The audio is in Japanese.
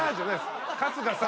春日さん。